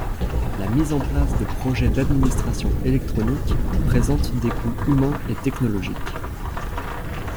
La mise en place de projets d'administration électronique présente des coûts humains et technologiques.